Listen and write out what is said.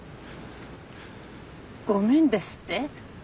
「ごめん」ですって？